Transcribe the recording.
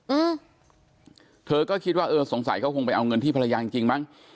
อืมเธอก็คิดว่าเออสงสัยเขาคงไปเอาเงินที่ภรรยาจริงจริงมั้ง